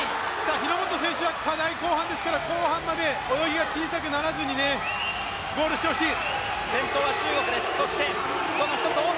日本選手、課題は後半ですから、後半、小さくならずにゴールしてほしい。